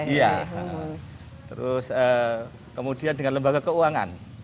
iya terus kemudian dengan lembaga keuangan